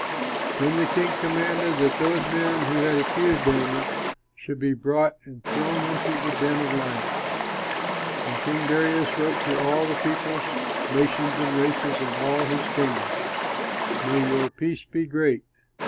Then the king commanded that those men who had accused Daniel should be brought and thrown into the den of lions. And King Darius wrote to all the peoples, nations, and races in all his kingdom, "May your peace be great!